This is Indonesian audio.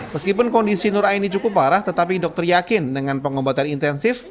meskipun kondisi nur aini cukup parah tetapi dokter yakin dengan pengobatan intensif